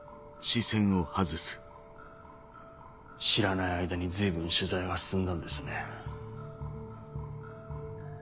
知らない間に随分取材が進んだんですね。